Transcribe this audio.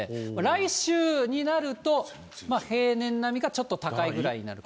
来週になると、平年並みかちょっと高いぐらいになるかと。